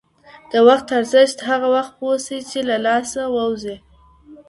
د وخت ارزښت هغه وخت پوه سې چي له لاسه ووځي.